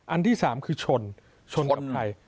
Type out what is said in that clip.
อันที่สามคือชนชนกับใคร